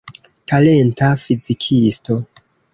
Talenta fizikisto.